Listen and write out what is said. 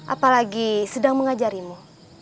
apalagi sedang mengajarimu